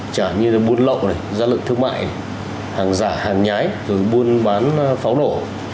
chả như là buôn lậu gian lực thương mại hàng giả hàng nhái rồi buôn bán pháo nổ